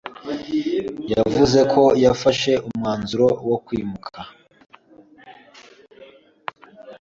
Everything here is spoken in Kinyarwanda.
yavuze ko yafashe umwanzuro wo kwimuka